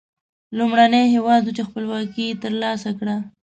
لومړنی هېواد و چې خپلواکي تر لاسه کړه.